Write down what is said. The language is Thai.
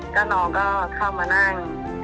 ก็น้องก็เข้ามานั่ง